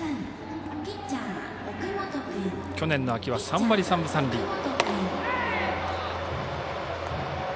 去年の秋は３割３分３厘。